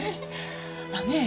あっねえ